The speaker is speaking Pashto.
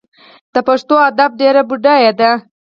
د پښتو ادب ډیر بډایه دی.